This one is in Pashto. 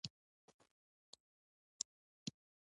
د هر چا برخه سپینه لیلا شي